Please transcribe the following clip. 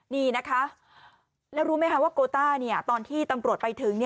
นี่นะคะแล้วรู้ไหมคะว่าโกต้าตอนที่ตำรวจไปถึง